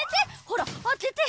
ほら開けて！